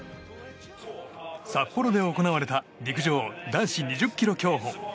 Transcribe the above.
札幌で行われた陸上男子２０ｋｍ競歩。